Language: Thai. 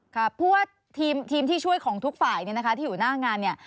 ค่ะเพราะว่าทีมที่ช่วยของทุกฝ่ายเนี่ยนะคะที่อยู่หน้างานเนี่ย